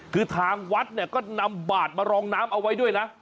คือทางวัดเนี่ยก็นำบาดมารองน้ำเอาไว้ด้วยนะ